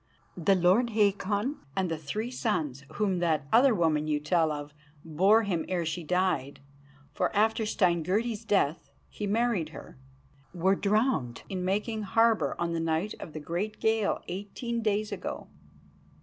The lord Hakon and the three sons whom that other woman you tell of bore him ere she died for after Steingerdi's death he married her were drowned in making harbour on the night of the great gale eighteen days ago."